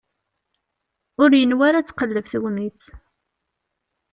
Ur yenwi ara ad tqelleb tegnit.